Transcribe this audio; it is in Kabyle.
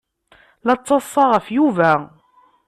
La ttaḍsaɣ ɣef Yuba.